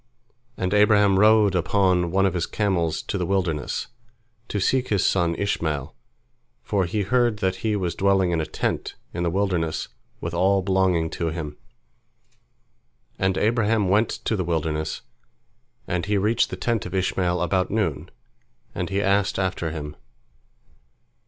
And Abraham rode upon one of his camels to the wilderness, to seek his son Ishmael, for he heard that he was dwelling in a tent in the wilderness with all belonging to him. And Abraham went to the wilderness, and he reached the tent of Ishmael about noon, and he asked after him.